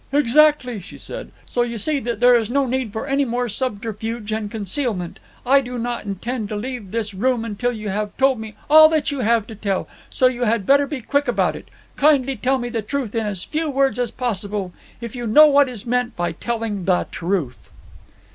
"Exactly," she said. "So you see that there is no need for any more subterfuge and concealment. I do not intend to leave this room until you have told me all you have to tell, so you had better be quick about it. Kindly tell me the truth in as few words as possible—if you know what is meant by telling the truth."